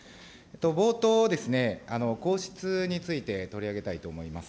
冒頭ですね、皇室について取り上げたいと思います。